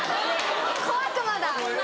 小悪魔だ。